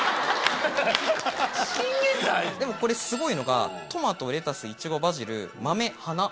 でもこれすごいのがトマトレタスいちごバジル豆花。